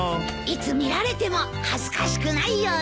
いつ見られても恥ずかしくないようにだよ。